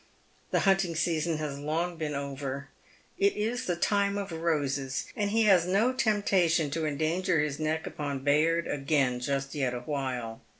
The hunting season has long been over. It is the time of roses, and he has no temptation to endanger his neck upon Bayard again just yet awhile.